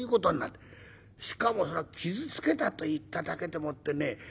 しかも傷つけたといっただけでもってね